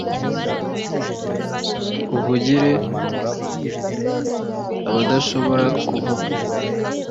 uvugire abadashobora kuvuga